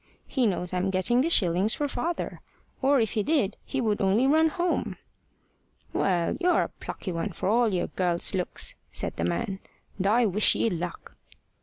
"He knows I'm getting the shillings for father. Or if he did he would only run home." "Well, you're a plucky one, for all your girl's looks!" said the man; "and I wish ye luck."